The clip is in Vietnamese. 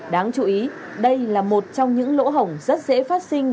đáng chú ý đây là một trong những lỗ hổng rất dễ phát sinh